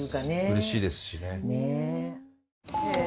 うれしいですしね。ねぇ。